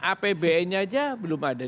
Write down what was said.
apbn nya aja belum ada